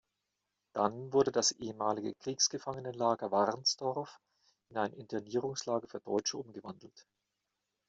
Dann wurde das ehemalige Kriegsgefangenenlager Warnsdorf in ein Internierungslager für Deutsche umwandelt.